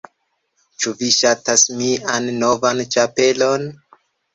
Ĉu vi ŝatas mian novan ĉapelon?